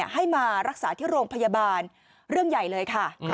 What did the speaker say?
ให้มารักษาที่โรงพยาบาลเรื่องใหญ่เลยค่ะ